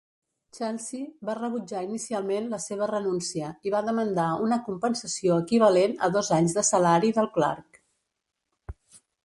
Chelsea va rebutjar inicialment la seva renuncia i va demandar una compensació equivalent a dos anys de salari del Clarke.